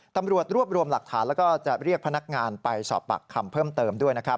ตำรวจรวบรวมหลักฐานแล้วก็จะเรียกพนักงานไปสอบปากคำเพิ่มเติมด้วยนะครับ